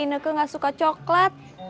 ineke gak suka coklat